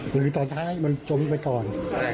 หรือแต่มันจมไปตอน